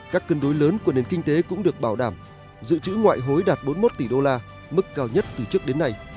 các cân đối lớn của nền kinh tế cũng được bảo đảm dự trữ ngoại hối đạt bốn mươi một tỷ đô la mức cao nhất từ trước đến nay